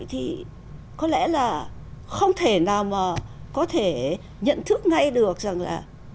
thì có lẽ là không thể nào mà có thể nhận thức ngay được rằng là